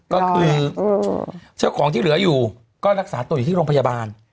ก็คือเจ้าของที่เหลืออยู่ก็รักษาตัวอยู่ที่โรงพยาบาล